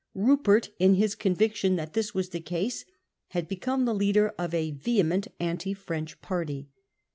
Rupert, in his conviction that this was the case, had become the leader of a vehement anti French party.